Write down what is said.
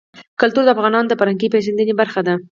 کلتور د افغانانو د فرهنګي پیژندنې برخه ده.